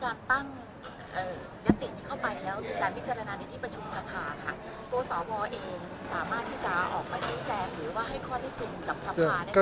สามารถที่จะออกประชิตแจ้งหรือให้ข้อได้จงกัมสภา